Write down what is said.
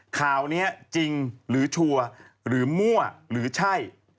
ข่าวนี้จริงหรือชัวร์หรือมั่วหรือใช่